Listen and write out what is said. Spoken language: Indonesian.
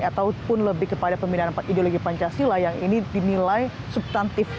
ataupun lebih kepada pembinaan ideologi pancasila yang ini dinilai subtantif